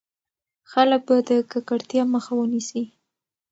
خلک به د ککړتيا مخه ونيسي.